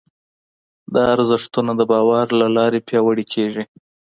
دا ارزښتونه د باور له لارې پياوړي کېږي.